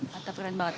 mantap keren banget